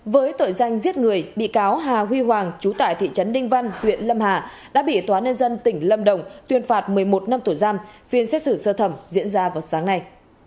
với tội danh giết người bị cáo hà huy hoàng trú tại thị trấn đinh văn huyện lâm hà đã bị tòa nhân dân tỉnh lâm đồng tuyên phạt một mươi một năm tổ giam phiên xét xử sơ thẩm diễn ra vào sáng nay